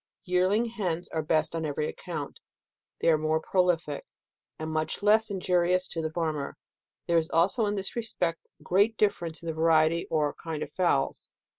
Yearling hens DECEMBER. 203 are best on every account ; they are more prolific, and much less injurious to the farmer. There is also in this respect, great difference in the variety or kind of fowls.